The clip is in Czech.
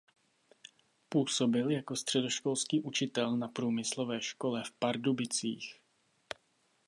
Působil jako středoškolský učitel na průmyslové škole v Pardubicích.